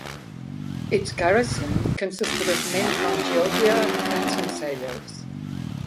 Its garrison consisted of men from Chioggia and some sailors.